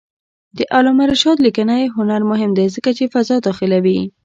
د علامه رشاد لیکنی هنر مهم دی ځکه چې فضا داخلوي.